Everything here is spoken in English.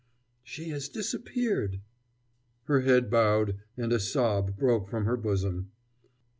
"She has disappeared." Her head bowed, and a sob broke from her bosom.